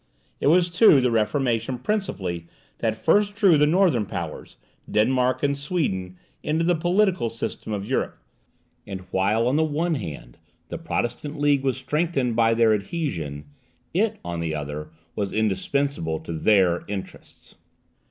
It was, too, the Reformation principally that first drew the northern powers, Denmark and Sweden, into the political system of Europe; and while on the one hand the Protestant League was strengthened by their adhesion, it on the other was indispensable to their interests.